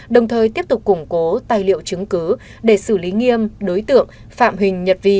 đồng thời tiếp tục củng cố tài liệu chứng cứ để xử lý nghiêm đối tượng phạm huỳnh nhật vi